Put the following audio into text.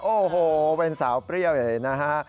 โอ้โหเป็นสาวเปรี้ยวเลยนะฮะ